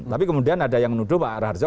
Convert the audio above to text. tapi kemudian ada yang menuduh pak raharjo